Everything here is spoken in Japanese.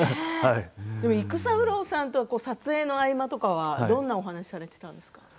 育三郎さんとは撮影の合間とかどんなお話をされていたんですか？